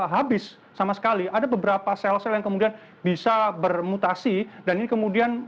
habis sama sekali ada beberapa sel sel yang kemudian bisa bermutasi dan ini kemudian